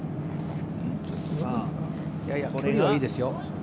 距離はいいですよ。